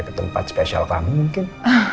ketempat spesial kamu mungkin